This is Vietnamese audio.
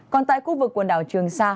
còn tại khu vực quần đảo trường sa